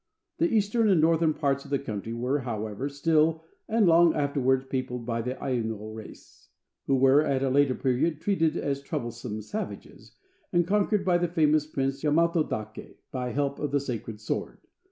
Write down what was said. The eastern and northern parts of the country were, however, still, and long afterwards, peopled by the Aino race, who were at a later period treated as troublesome savages, and conquered by a famous prince, Yamato Dake, by help of the sacred sword.